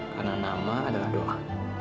karena nama adalah doa